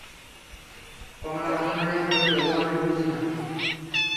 কমলা মাথা নাড়িয়া কহিল, ও আমি বুঝি না।